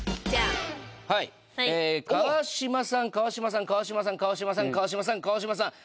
はい「川島さん」「川島さん」「川島さん」「川島さん」「川島さん」「川島さん」